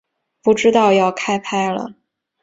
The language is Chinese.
不知道要开拍了